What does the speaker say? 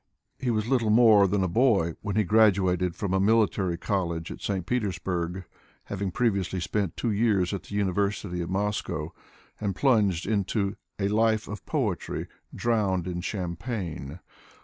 He was little more than a boy when he graduated from a military college at St Petersburg, having previously spent two years at the Uni versity of Moscow, and plunged into " a life of poetry, drowned in champagne.''